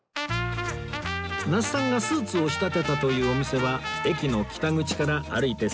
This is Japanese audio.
那須さんがスーツを仕立てたというお店は駅の北口から歩いてすぐの場所